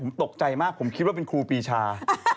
ผมตกใจมากผมคิดว่าเป็นครูปีชา